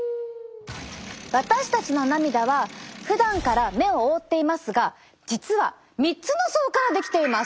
私たちの涙はふだんから目を覆っていますが実は３つの層から出来ています。